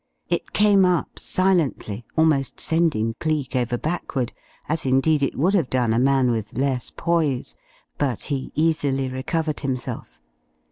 It came up silently, almost sending Cleek over backward, as indeed it would have done a man with less poise, but he easily recovered himself.